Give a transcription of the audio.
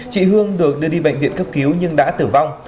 chị hương được đưa đi bệnh viện cấp cứu nhưng đã tử vong